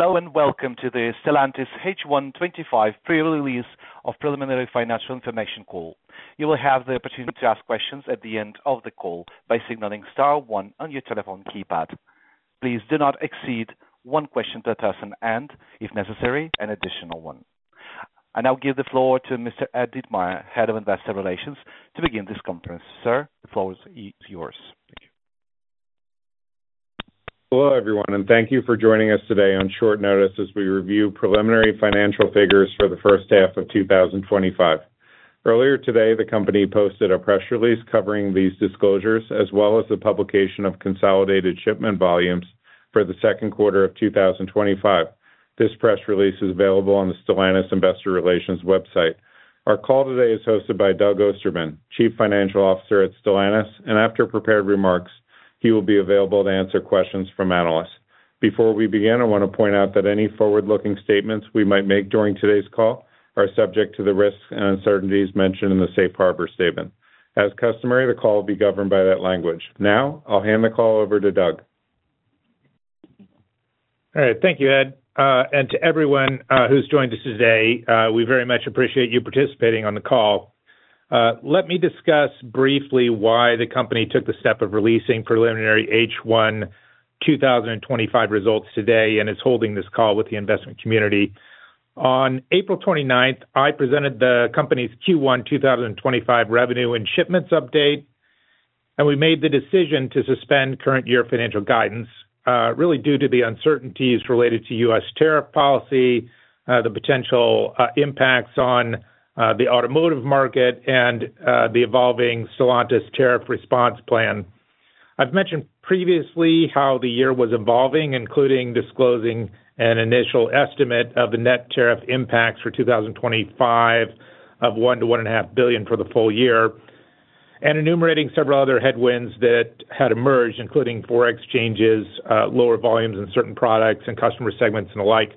Hello and welcome to the Stellantis H1 2025 Pre-Release of Preliminary Financial Information Call. You will have the opportunity to ask questions at the end of the call by signaling star one on your telephone keypad. Please do not exceed one question per person and, if necessary, an additional one. I now give the floor to Mr. Ed Ditmire, Head of Investor Relations, to begin this conference. Sir, the floor is yours. Thank you. Hello everyone, and thank you for joining us today on short notice as we review preliminary financial figures for the first half of 2025. Earlier today, the company posted a press release covering these disclosures, as well as the publication of consolidated shipment volumes for the second quarter of 2025. This press release is available on the Stellantis Investor Relations website. Our call today is hosted by Doug Ostermann, Chief Financial Officer at Stellantis, and after prepared remarks, he will be available to answer questions from analysts. Before we begin, I want to point out that any forward-looking statements we might make during today's call are subject to the risks and uncertainties mentioned in the safe harbor statement. As customary, the call will be governed by that language. Now, I'll hand the call over to Doug. All right. Thank you, Ed. And to everyone who's joined us today, we very much appreciate you participating on the call. Let me discuss briefly why the company took the step of releasing preliminary H1 2025 results today and is holding this call with the investment community. On April 29, I presented the company's Q1 2025 revenue and shipments update, and we made the decision to suspend current year financial guidance really due to the uncertainties related to U.S. tariff policy, the potential impacts on the automotive market, and the evolving Stellantis tariff response plan. I've mentioned previously how the year was evolving, including disclosing an initial estimate of the net tariff impacts for 2025 of 1 billion, 1.5 billion for the full-year, and enumerating several other headwinds that had emerged, including forex changes, lower volumes in certain products, and customer segments and the like.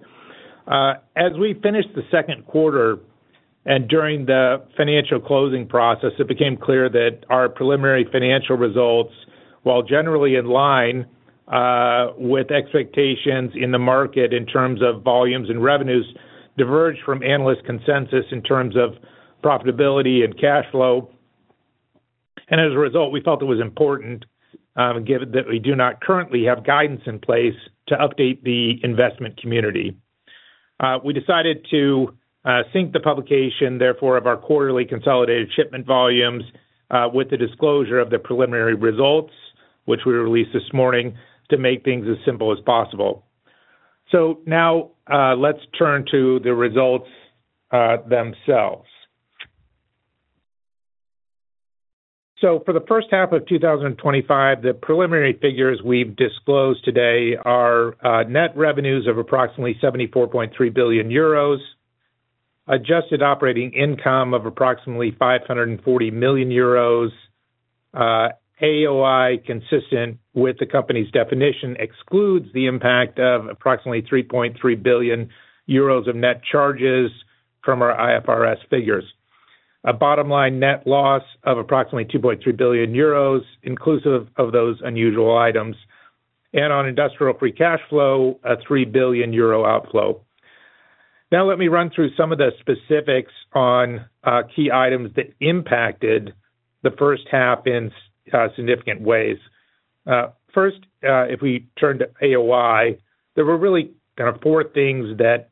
As we finished the second quarter and during the financial closing process, it became clear that our preliminary financial results, while generally in line with expectations in the market in terms of volumes and revenues, diverged from analyst consensus in terms of profitability and cash flow. As a result, we felt it was important that we do not currently have guidance in place to update the investment community. We decided to sync the publication, therefore, of our quarterly consolidated shipment volumes with the disclosure of the preliminary results, which we released this morning, to make things as simple as possible. Now let's turn to the results themselves. For the first half of 2025, the preliminary figures we've disclosed today are net revenues of approximately 74.3 billion euros, adjusted operating income of approximately 540 million euros. AOI, consistent with the company's definition, excludes the impact of approximately 3.3 billion euros of net charges from our IFRS figures. A bottom line net loss of approximately 2.3 billion euros, inclusive of those unusual items. On industrial free cash flow, a 3 billion euro outflow. Now let me run through some of the specifics on key items that impacted the first half in significant ways. First, if we turn to AOI, there were really kind of four things that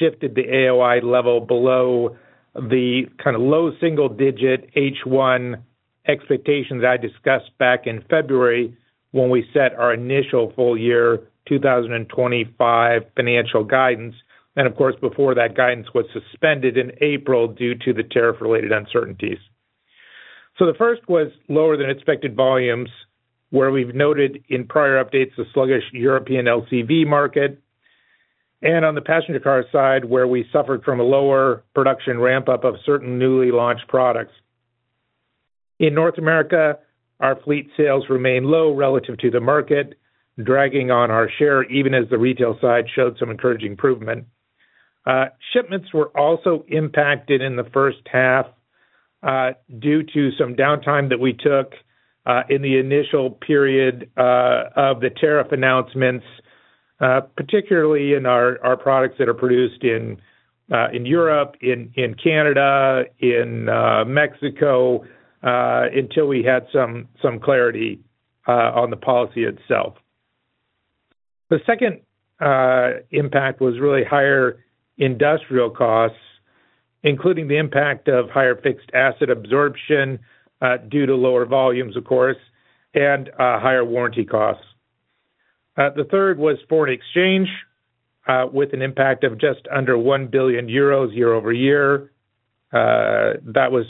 shifted the AOI level below the kind of low-single digit H1 expectations I discussed back in February when we set our initial full year 2025 financial guidance. Of course, before that, guidance was suspended in April due to the tariff-related uncertainties. The first was lower than expected volumes, where we've noted in prior updates the sluggish European LCV market. On the passenger car side, we suffered from a lower production ramp-up of certain newly launched products. In North America, our fleet sales remained low relative to the market, dragging on our share even as the retail side showed some encouraging improvement. Shipments were also impacted in the first half due to some downtime that we took in the initial period of the tariff announcements, particularly in our products that are produced in. Europe, in Canada, in Mexico. Until we had some clarity on the policy itself. The second impact was really higher industrial costs, including the impact of higher fixed asset absorption due to lower volumes, of course, and higher warranty costs. The third was foreign exchange, with an impact of just under 1 billion euros year-over-year. That was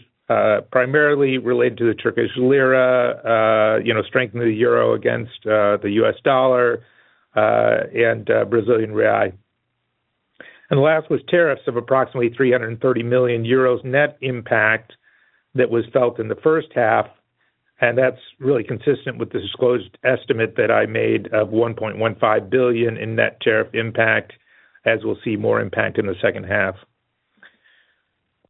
primarily related to the Turkish lira, strengthening the euro against the U.S. dollar and Brazilian real. The last was tariffs of approximately 330 million euros net impact that was felt in the first half. That is really consistent with the disclosed estimate that I made of 1.15 billion in net tariff impact, as we will see more impact in the second half.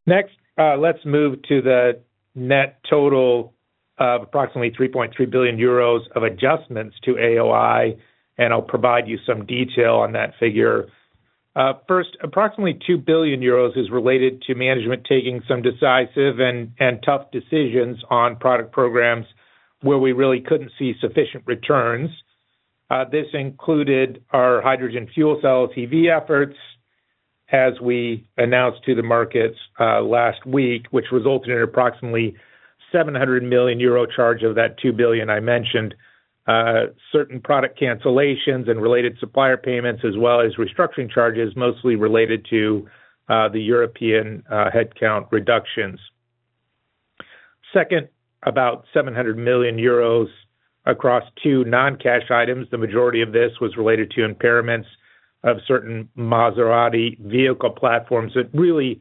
Next, let's move to the net total of approximately 3.3 billion euros of adjustments to AOI, and I'll provide you some detail on that figure. First, approximately 2 billion euros is related to management taking some decisive and tough decisions on product programs where we really could not see sufficient returns. This included our hydrogen fuel cell LCV efforts, as we announced to the markets last week, which resulted in approximately 700 million euro charge of that 2 billion I mentioned. Certain product cancellations and related supplier payments, as well as restructuring charges, mostly related to the European headcount reductions. Second, about 700 million euros across two non-cash items. The majority of this was related to impairments of certain Maserati vehicle platforms. It really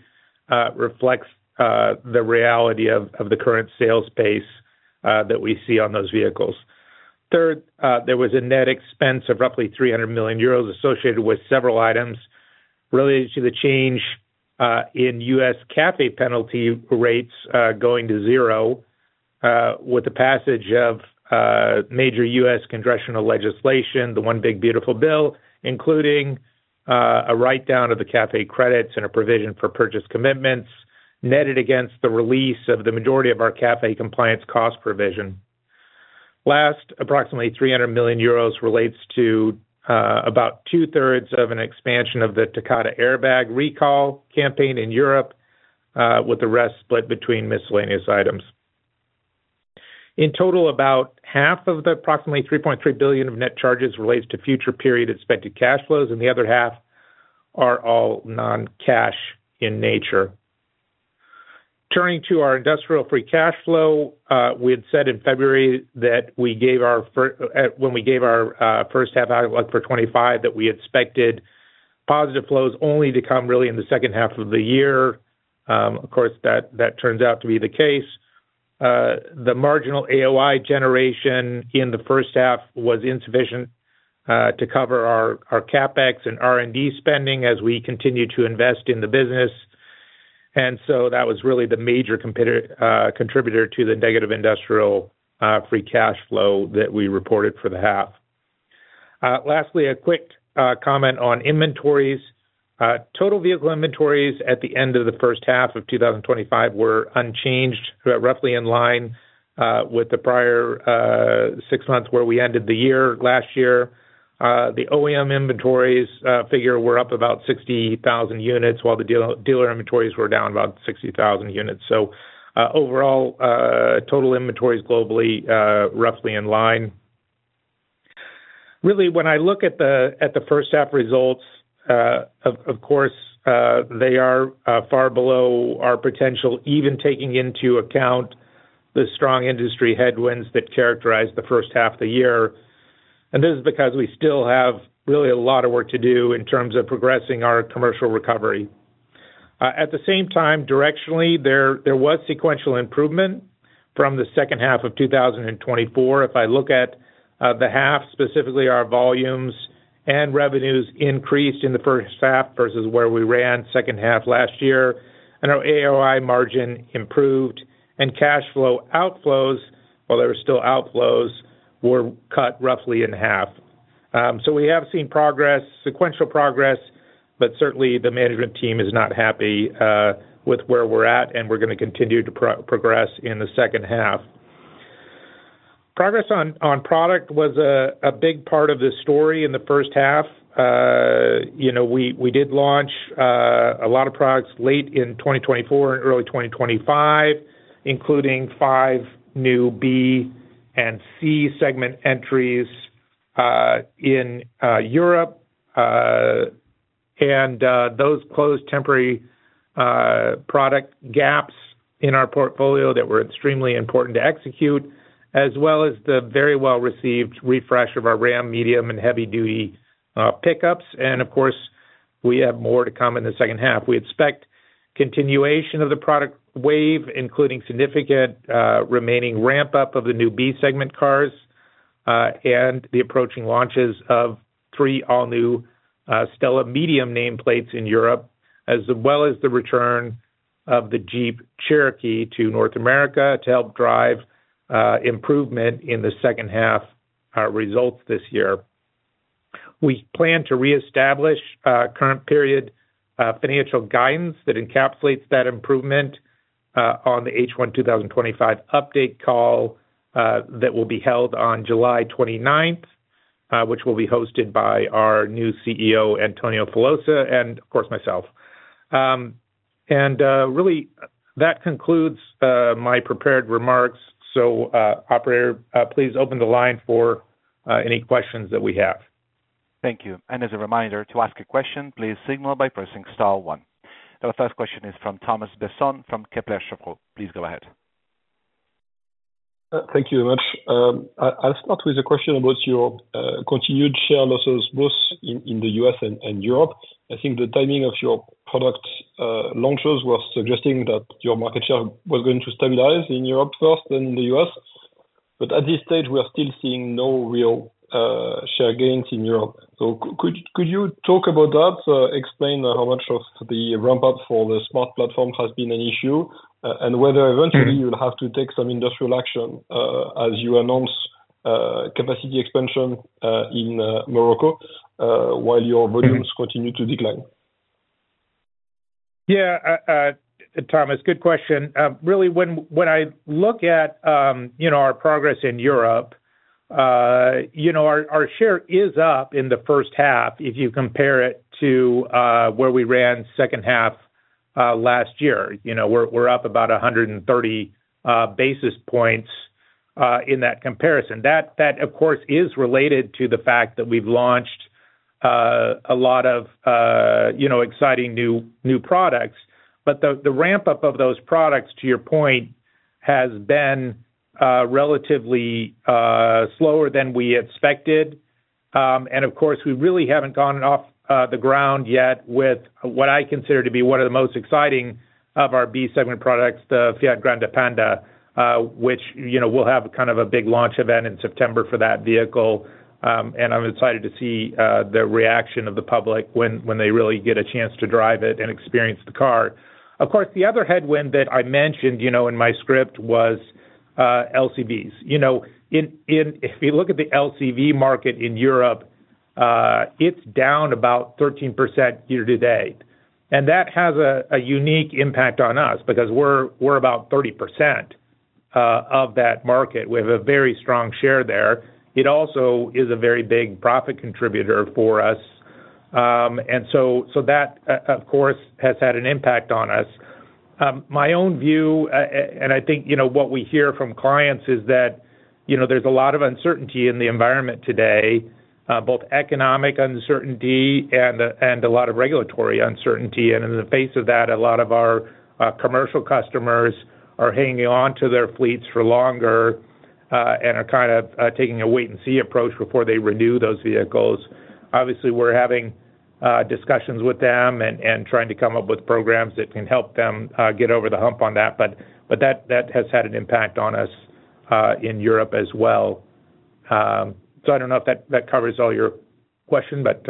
reflects the reality of the current sales pace that we see on those vehicles. Third, there was a net expense of roughly 300 million euros associated with several items related to the change in U.S. CAFE penalty rates going to zero with the passage of major U.S. congressional legislation, the One Big Beautiful Bill, including a write-down of the CAFE credits and a provision for purchase commitments netted against the release of the majority of our CAFE compliance cost provision. Last, approximately 300 million euros relates to about 2/3 of an expansion of the Takata airbag recall campaign in Europe, with the rest split between miscellaneous items. In total, about half of the approximately 3.3 billion of net charges relates to future period expected cash flows, and the other half are all non-cash in nature. Turning to our industrial free cash flow, we had said in February that we gave our first half of 2025 that we expected positive flows only to come really in the second half of the year. Of course, that turns out to be the case. The marginal AOI generation in the first half was insufficient to cover our CapEx and R&D spending as we continue to invest in the business. That was really the major contributor to the negative industrial free cash flow that we reported for the half. Lastly, a quick comment on inventories. Total vehicle inventories at the end of the first half of 2025 were unchanged, roughly in line with the prior six months where we ended the year last year. The OEM inventories figure were up about 60,000 units, while the dealer inventories were down about 60,000 units. Total inventories globally roughly in line. Really, when I look at the first half results. Of course, they are far below our potential, even taking into account the strong industry headwinds that characterize the first half of the year. This is because we still have really a lot of work to do in terms of progressing our commercial recovery. At the same time, directionally, there was sequential improvement from the second half of 2024. If I look at the half, specifically our volumes and revenues increased in the first half versus where we ran second half last year. Our AOI margin improved, and cash flow outflows, while there were still outflows, were cut roughly in half. We have seen progress, sequential progress, but certainly the management team is not happy with where we're at, and we're going to continue to progress in the second half. Progress on product was a big part of the story in the first half. We did launch a lot of products late in 2024 and early 2025, including five new B and C segment entries in Europe. Those closed temporary product gaps in our portfolio that were extremely important to execute, as well as the very well-received refresh of our Ram medium and heavy-duty pickups. Of course, we have more to come in the second half. We expect continuation of the product wave, including significant remaining ramp-up of the new B segment cars and the approaching launches of three all-new STLA Medium nameplates in Europe, as well as the return of the Jeep Cherokee to North America to help drive improvement in the second half results this year. We plan to reestablish current period financial guidance that encapsulates that improvement on the H1 2025 update call that will be held on July 29, which will be hosted by our new CEO, Antonio Filosa, and of course, myself. That concludes my prepared remarks. Operator, please open the line for any questions that we have. Thank you. As a reminder, to ask a question, please signal by pressing star one. The first question is from Thomas Besson from Kepler Cheuvreux. Please go ahead. Thank you very much. I'll start with a question about your continued share losses, both in the U.S. and Europe. I think the timing of your product launches was suggesting that your market share was going to stabilize in Europe first and in the U.S. At this stage, we are still seeing no real share gains in Europe. Could you talk about that, explain how much of the ramp-up for the smart platform has been an issue, and whether eventually you will have to take some industrial action as you announce capacity expansion in Morocco while your volumes continue to decline? Yeah. Thomas, good question. Really, when I look at our progress in Europe, our share is up in the first half if you compare it to where we ran second half last year. We're up about 130 basis points in that comparison. That, of course, is related to the fact that we've launched a lot of exciting new products. The ramp-up of those products, to your point, has been relatively slower than we expected. Of course, we really haven't gone off the ground yet with what I consider to be one of the most exciting of our B segment products, the Fiat Grande Panda, which we'll have kind of a big launch event in September for that vehicle. I'm excited to see the reaction of the public when they really get a chance to drive it and experience the car. Of course, the other headwind that I mentioned in my script was LCVs. If you look at the LCV market in Europe, it's down about 13% year to date. That has a unique impact on us because we're about 30% of that market. We have a very strong share there. It also is a very big profit contributor for us. That, of course, has had an impact on us. My own view, and I think what we hear from clients, is that there's a lot of uncertainty in the environment today, both economic uncertainty and a lot of regulatory uncertainty. In the face of that, a lot of our commercial customers are hanging on to their fleets for longer and are kind of taking a wait-and-see approach before they renew those vehicles. Obviously, we're having discussions with them and trying to come up with programs that can help them get over the hump on that. That has had an impact on us in Europe as well. I don't know if that covers all your question, but.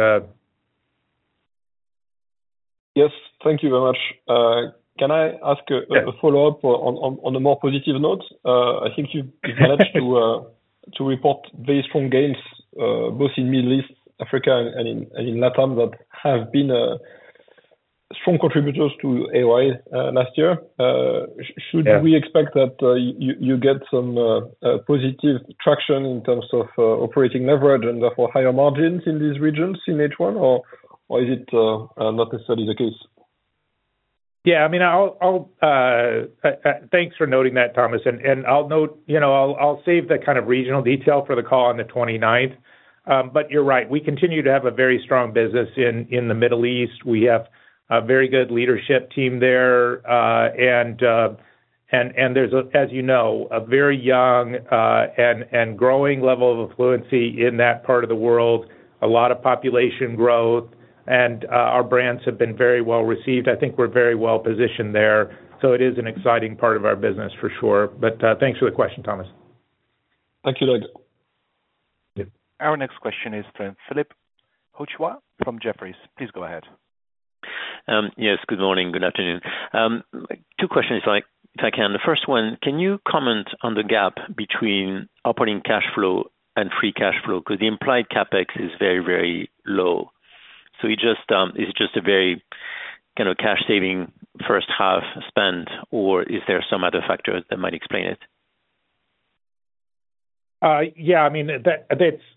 Yes. Thank you very much. Can I ask a follow-up on a more positive note? I think you've managed to report very strong gains, both in Middle East, Africa, and in LATAM, that have been strong contributors to AOI last year. Should we expect that you get some positive traction in terms of operating leverage and therefore higher margins in these regions in H1, or is it not necessarily the case? Yeah. I mean, thanks for noting that, Thomas. I'll save the kind of regional detail for the call on the 29th. You're right. We continue to have a very strong business in the Middle East. We have a very good leadership team there. There's, as you know, a very young and growing level of affluency in that part of the world, a lot of population growth. Our brands have been very well received. I think we're very well positioned there. It is an exciting part of our business, for sure. Thanks for the question, Thomas. Thank you, Doug. Our next question is from Philippe Houchois from Jefferies. Please go ahead. Yes. Good morning. Good afternoon. Two questions, if I can. The first one, can you comment on the gap between operating cash flow and free cash flow? Because the implied CapEx is very, very low. Is it just a very kind of cash-saving first-half spend, or is there some other factor that might explain it? Yeah. I mean,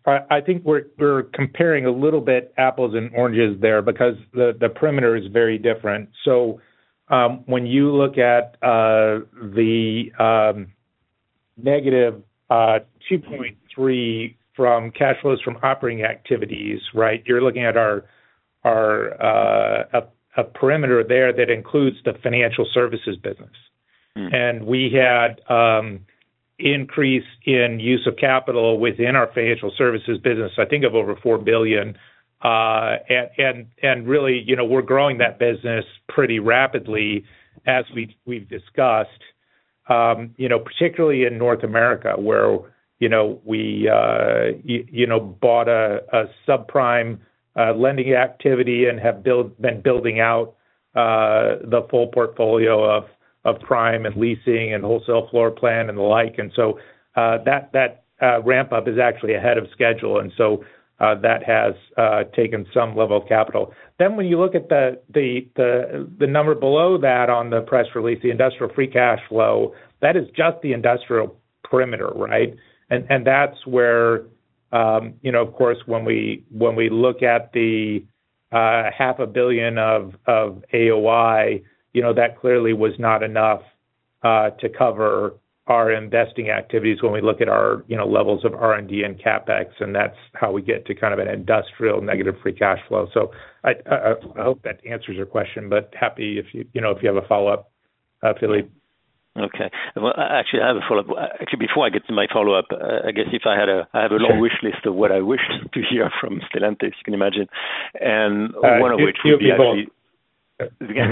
I think we're comparing a little bit apples and oranges there because the perimeter is very different. When you look at the negative $2.3 billion from cash flows from operating activities, right, you're looking at our perimeter there that includes the financial services business. We had an increase in use of capital within our financial services business, I think of over $4 billion. Really, we're growing that business pretty rapidly, as we've discussed, particularly in North America, where we bought a subprime lending activity and have been building out the full portfolio of prime and leasing and wholesale floor plan and the like. That ramp-up is actually ahead of schedule, and that has taken some level of capital. When you look at the number below that on the press release, the industrial free cash flow, that is just the industrial perimeter, right? That's where, of course, when we look at the $500 million of AOI, that clearly was not enough to cover our investing activities when we look at our levels of R&D and CapEx. That's how we get to kind of an industrial negative free cash flow. I hope that answers your question, but happy if you have a follow-up, Philippe. Okay. Actually, I have a follow-up. Actually, before I get to my follow-up, I guess if I have a long wish list of what I wished to hear from Stellantis, you can imagine. One of which will be. Oh, a few people.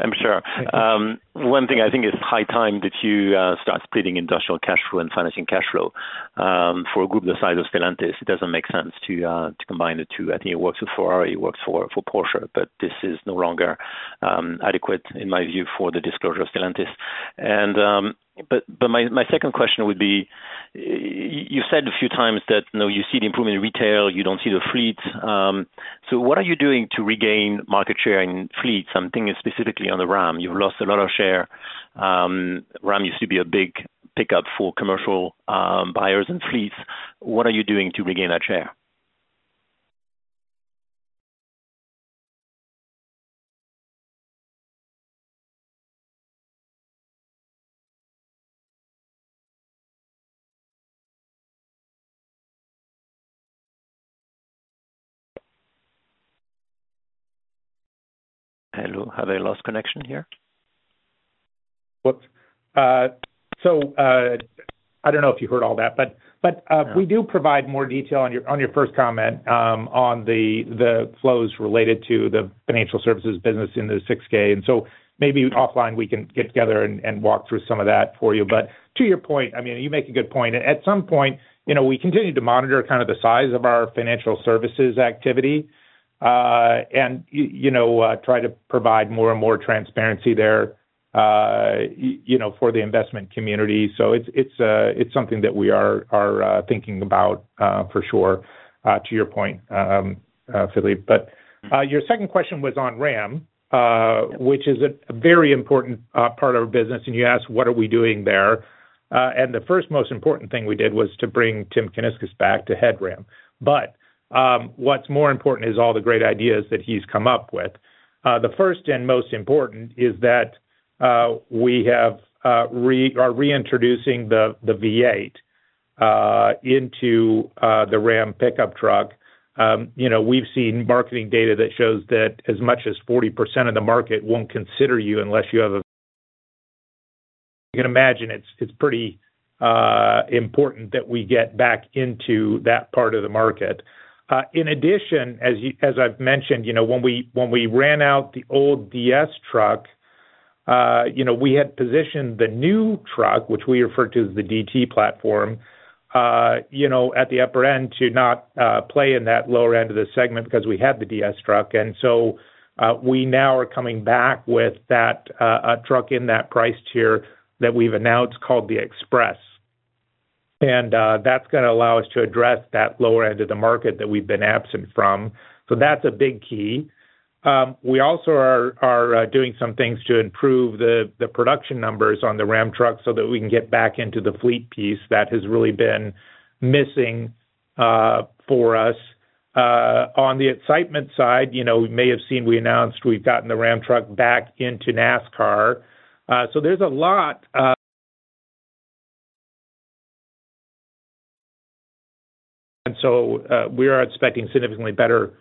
I'm sure. One thing I think. High time that you start splitting industrial cash flow and financing cash flow for a group the size of Stellantis. It doesn't make sense to combine the two. I think it works for Ferrari, it works for Porsche, but this is no longer adequate, in my view, for the disclosure of Stellantis. My second question would be. You said a few times that you see the improvement in retail, you don't see the fleets. What are you doing to regain market share in fleets? I'm thinking specifically on the Ram. You've lost a lot of share. Ram used to be a big pickup for commercial buyers and fleets. What are you doing to regain that share? Hello. Have I lost connection here? Whoops. I don't know if you heard all that, but we do provide more detail on your first comment on the flows related to the financial services business in the 6-K. Maybe offline, we can get together and walk through some of that for you. To your point, I mean, you make a good point. At some point, we continue to monitor kind of the size of our financial services activity and try to provide more and more transparency there for the investment community. It is something that we are thinking about, for sure, to your point, Philippe. Your second question was on Ram, which is a very important part of our business. You asked, what are we doing there? The first most important thing we did was to bring Tim Kuniskis back to head Ram. What's more important is all the great ideas that he's come up with. The first and most important is that we are reintroducing the V-8 into the Ram pickup truck. We've seen marketing data that shows that as much as 40% of the market won't consider you unless you have a V-8. You can imagine it's pretty important that we get back into that part of the market. In addition, as I've mentioned, when we ran out the old DS truck, we had positioned the new truck, which we refer to as the DT platform, at the upper end to not play in that lower end of the segment because we had the DS truck. We now are coming back with that truck in that price tier that we've announced called the Express, and that's going to allow us to address that lower end of the market that we've been absent from. That's a big key. We also are doing some things to improve the production numbers on the Ram truck so that we can get back into the fleet piece that has really been missing for us. On the excitement side, you may have seen we announced we've gotten the Ram truck back into NASCAR. There's a lot, and we are expecting significantly better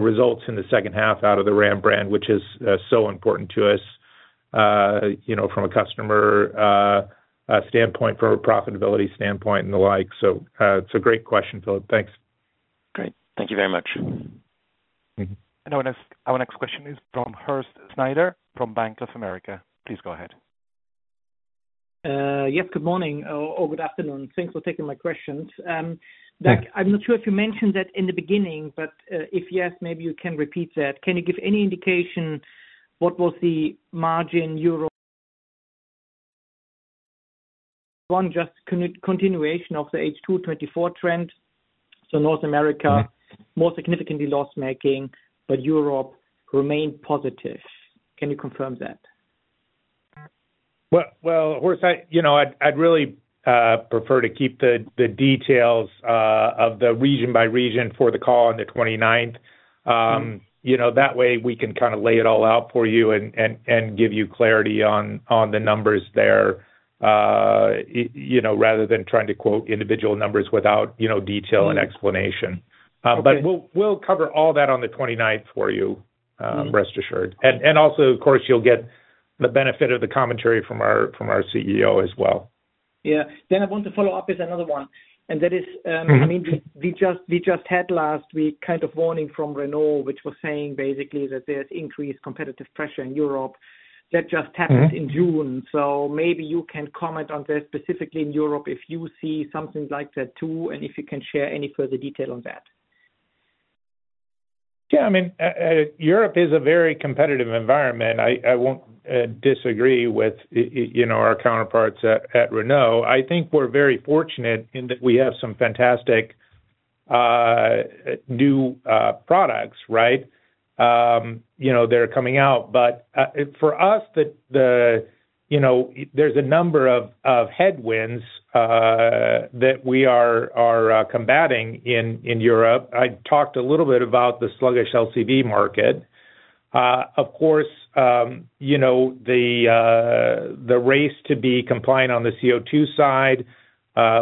results in the second half out of the Ram brand, which is so important to us from a customer standpoint, from a profitability standpoint, and the like. It's a great question, Philippe. Thanks. Great. Thank you very much. Our next question is from Horst Schneider from Bank of America. Please go ahead. Yes. Good morning or good afternoon. Thanks for taking my questions. Doug, I'm not sure if you mentioned that in the beginning, but if yes, maybe you can repeat that. Can you give any indication what was the margin? One just continuation of the H2 2024 trend? North America more significantly loss-making, but Europe remained positive. Can you confirm that? I would really prefer to keep the details of the region by region for the call on the 29th. That way, we can kind of lay it all out for you and give you clarity on the numbers there, rather than trying to quote individual numbers without detail and explanation. We will cover all that on the 29th for you, rest assured. Also, of course, you will get the benefit of the commentary from our CEO as well. Yeah. I want to follow up with another one. I mean, we just had last week kind of warning from Renault, which was saying basically that there's increased competitive pressure in Europe. That just happened in June. Maybe you can comment on this specifically in Europe if you see something like that too, and if you can share any further detail on that. Yeah. I mean, Europe is a very competitive environment. I won't disagree with our counterparts at Renault. I think we're very fortunate in that we have some fantastic new products, right? That are coming out. For us, there's a number of headwinds that we are combating in Europe. I talked a little bit about the sluggish LCV market. Of course, the race to be compliant on the CO2 side.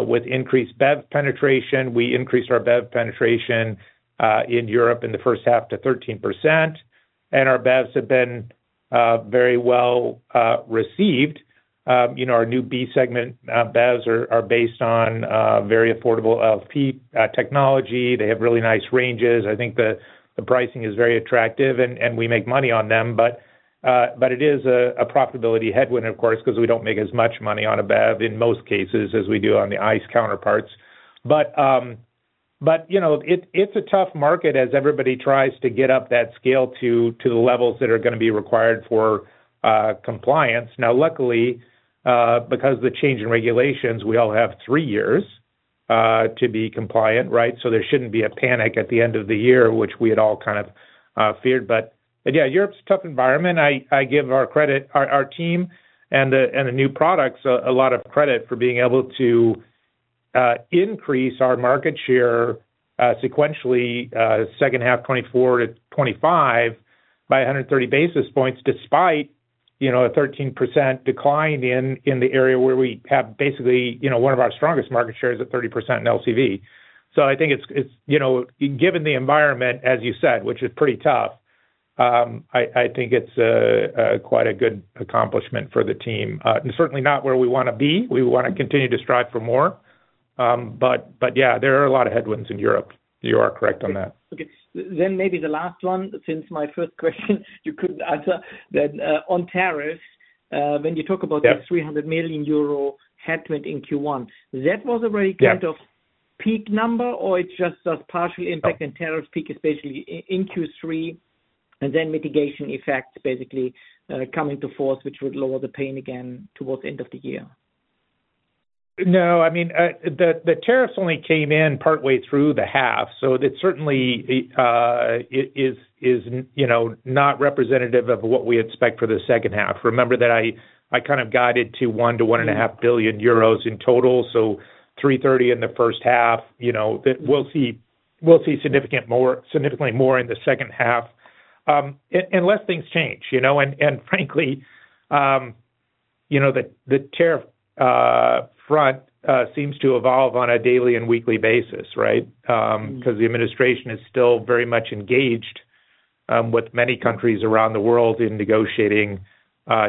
With increased BEV penetration, we increased our BEV penetration in Europe in the first half to 13%. And our BEVs have been very well received. Our new B-segment BEVs are based on very affordable LFP technology. They have really nice ranges. I think the pricing is very attractive, and we make money on them. It is a profitability headwind, of course, because we don't make as much money on a BEV in most cases as we do on the ICE counterparts. It's a tough market as everybody tries to get up that scale to the levels that are going to be required for compliance. Now, luckily, because of the change in regulations, we all have three years to be compliant, right? There shouldn't be a panic at the end of the year, which we had all kind of feared. Yeah, Europe's a tough environment. I give our team and the new products a lot of credit for being able to increase our market share sequentially second half 2024 to 2025 by 130 basis points, despite a 13% decline in the area where we have basically one of our strongest market shares at 30% in LCV. I think it's, given the environment, as you said, which is pretty tough, I think it's quite a good accomplishment for the team. Certainly not where we want to be. We want to continue to strive for more. There are a lot of headwinds in Europe. You are correct on that. Okay. Then maybe the last one, since my first question you couldn't answer, that on tariffs, when you talk about the 300 million euro headwind in Q1, that was already kind of a peak number, or it just does partial impact in tariffs, peak especially in Q3, and then mitigation effects basically coming to force, which would lower the pain again towards the end of the year? No. I mean, the tariffs only came in partway through the half. So it certainly is not representative of what we expect for the second half. Remember that I kind of guided to 1 billion-1.5 billion euros in total. So 330 million in the first half. We'll see significantly more in the second half unless things change. And frankly, the tariff front seems to evolve on a daily and weekly basis, right? Because the administration is still very much engaged with many countries around the world in negotiating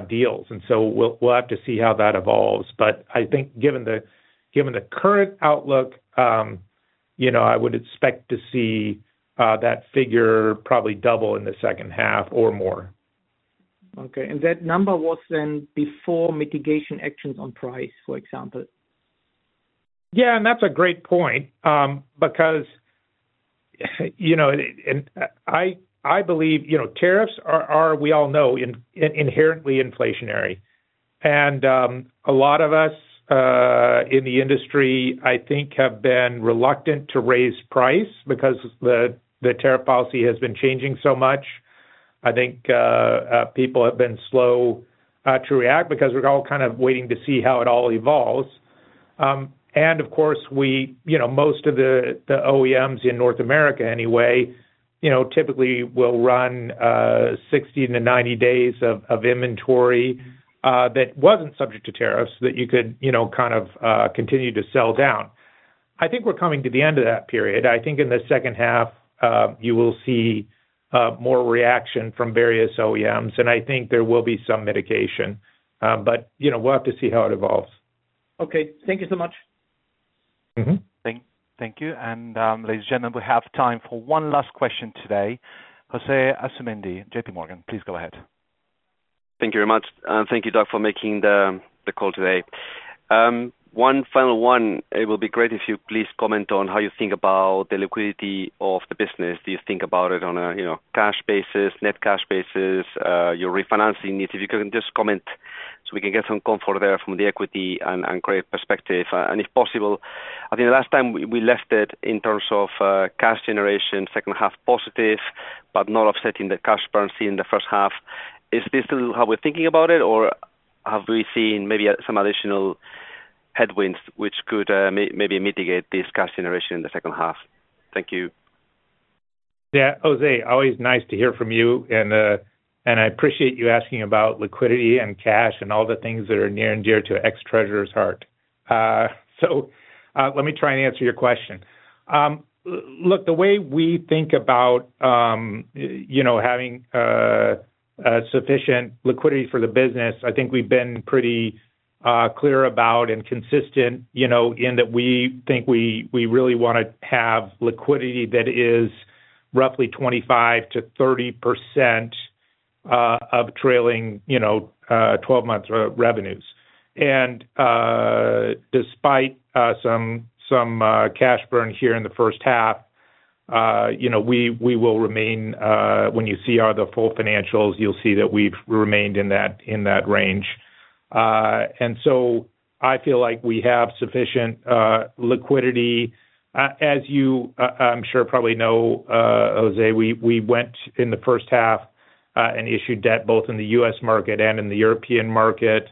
deals. We will have to see how that evolves. I think given the current outlook, I would expect to see that figure probably double in the second half or more. Okay. That number was then before mitigation actions on price, for example? Yeah. That's a great point. I believe tariffs are, we all know, inherently inflationary. A lot of us in the industry, I think, have been reluctant to raise price because the tariff policy has been changing so much. I think people have been slow to react because we're all kind of waiting to see how it all evolves. Of course, most of the OEMs in North America, anyway, typically will run 60-90 days of inventory that wasn't subject to tariffs that you could kind of continue to sell down. I think we're coming to the end of that period. I think in the second half, you will see more reaction from various OEMs. I think there will be some mitigation. We'll have to see how it evolves. Okay. Thank you so much. Thank you. Ladies and gentlemen, we have time for one last question today José Asumendi with J.P. Morgan, please go ahead. Thank you very much. Thank you, Doug, for making the call today. One final one. It will be great if you please comment on how you think about the liquidity of the business. Do you think about it on a cash basis, net cash basis, your refinancing needs? If you can just comment so we can get some comfort there from the equity and credit perspective. If possible, I think the last time we left it in terms of cash generation, second half positive, but not offsetting the cash currency in the first half. Is this still how we're thinking about it, or have we seen maybe some additional headwinds which could maybe mitigate this cash generation in the second half? Thank you. Yeah. José, always nice to hear from you. I appreciate you asking about liquidity and cash and all the things that are near and dear to ex-Treasurer's heart. Let me try and answer your question. Look, the way we think about having sufficient liquidity for the business, I think we've been pretty clear about and consistent in that we think we really want to have liquidity that is roughly 25%-30% of trailing 12-month revenues. Despite some cash burn here in the first half, we will remain, when you see our full financials, you'll see that we've remained in that range. I feel like we have sufficient liquidity. As you, I'm sure, probably know, José, we went in the first half and issued debt both in the U.S. market and in the European market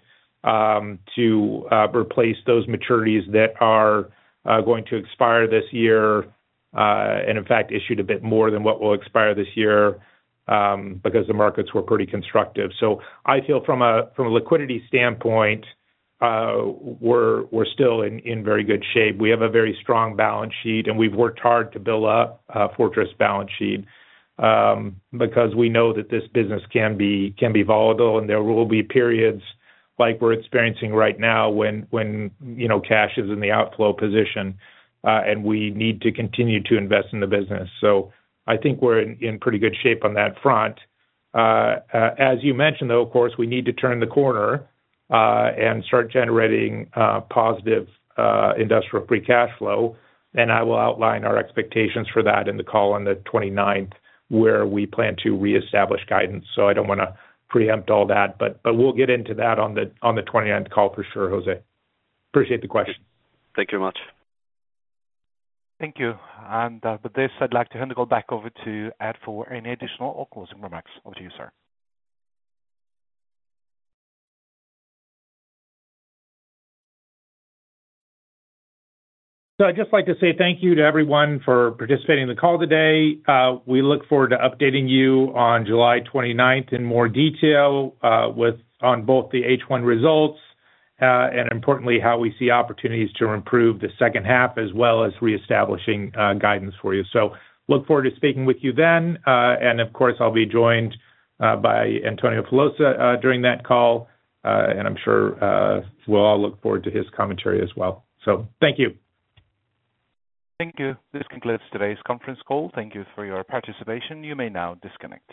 to replace those maturities that are going to expire this year. In fact, issued a bit more than what will expire this year because the markets were pretty constructive. I feel from a liquidity standpoint, we're still in very good shape. We have a very strong balance sheet, and we've worked hard to build a fortress balance sheet because we know that this business can be volatile, and there will be periods like we're experiencing right now when cash is in the outflow position. We need to continue to invest in the business. I think we're in pretty good shape on that front. As you mentioned, though, of course, we need to turn the corner and start generating positive industrial free cash flow. I will outline our expectations for that in the call on the 29th, where we plan to reestablish guidance. I don't want to preempt all that. We'll get into that on the 29th call for sure, José. Appreciate the question. Thank you very much. Thank you. With this, I'd like to hand the call back over to Ed for any additional or closing remarks. Over to you, sir. I would just like to say thank you to everyone for participating in the call today. We look forward to updating you on July 29 in more detail on both the H1 results. Importantly, how we see opportunities to improve the second half, as well as reestablishing guidance for you. I look forward to speaking with you then. Of course, I will be joined by Antonio Filosa during that call, and I am sure we will all look forward to his commentary as well. Thank you. Thank you. This concludes today's conference call. Thank you for your participation. You may now disconnect.